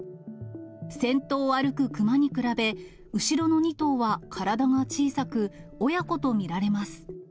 先頭を歩く熊に比べ、後ろの２頭は体が小さく、親子と見られます。